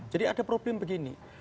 jadi ada problem begini